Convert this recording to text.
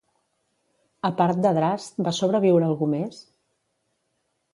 A part d'Adrast va sobreviure algú més?